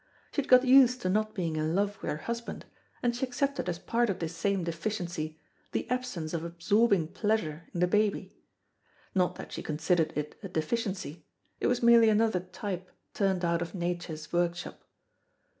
She had got used to not being in love with her husband, and she accepted as part of this same deficiency the absence of absorbing pleasure in the baby. Not that she considered it a deficiency, it was merely another type turned out of Nature's workshop.